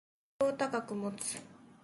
目標を高く持つ